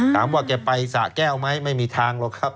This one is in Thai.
แกไปสะแก้วไหมไม่มีทางหรอกครับ